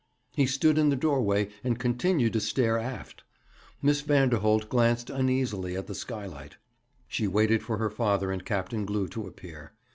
He stood in the doorway, and continued to stare aft. Miss Vanderholt glanced uneasily at the skylight. She waited for her father and Captain Glew to appear.